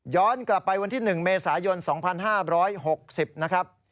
กลับไปวันที่๑เมษายน๒๕๖๐นะครับ